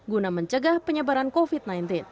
guna mencegah penyebaran covid sembilan belas